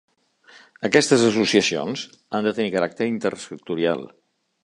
Aquestes associacions han de tenir caràcter intersectorial.